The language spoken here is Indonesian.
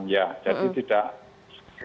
iya jadi tidak